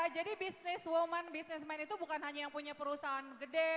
jadi bisnis woman bisnisman itu bukan hanya yang punya perusahaan gede